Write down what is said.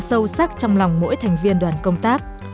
sâu sắc trong lòng mỗi thành viên đoàn công tác